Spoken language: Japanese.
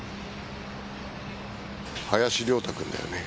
林良太くんだよね？